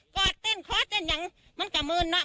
อดเต้นคอเต้นอย่างมันกระมืนเนอะ